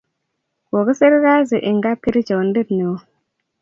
kokisir kasi eng kapkerichonde neo